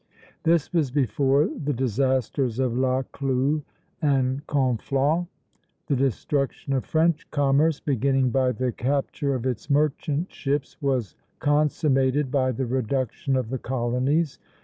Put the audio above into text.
" This was before the disasters of La Clue and Conflans. The destruction of French commerce, beginning by the capture of its merchant ships, was consummated by the reduction of the colonies.